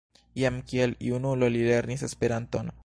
Jam kiel junulo li lernis Esperanton.